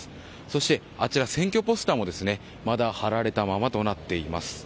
そして選挙ポスターもまだ貼られたままとなっています。